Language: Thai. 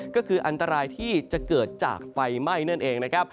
ก็คืออันตรายที่จะเกิดจากไฟไหม้นั่นเองนะครับ